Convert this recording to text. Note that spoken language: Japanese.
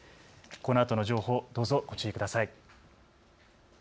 このあとの情報、どうぞご注意ください。